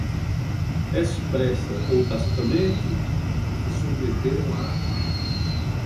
expressa ou tacitamente, se submeterem à